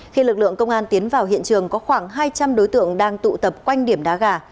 khi lực lượng công an tiến vào hiện trường có khoảng hai trăm linh đối tượng đang tụ tập quanh điểm đá gà